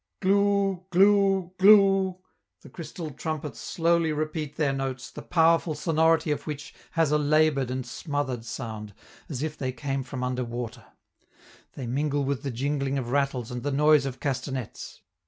Glou! glou! glou! the crystal trumpets slowly repeat their notes, the powerful sonority of which has a labored and smothered sound, as if they came from under water; they mingle with the jingling of rattles and the noise of castanets.